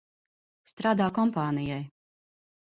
Strādā kompānijai.